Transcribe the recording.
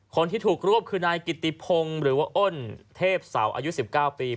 คนที่ถูกรวบคือนายกิติพงศ์หรือว่าอ้นเทพเสาอายุ๑๙ปี